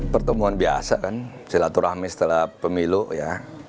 pertemuan biasa kan silaturahmi setelah pemilu ya